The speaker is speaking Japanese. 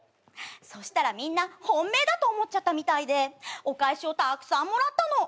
そしたらみんな本命だと思っちゃったみたいでお返しをたくさんもらったの。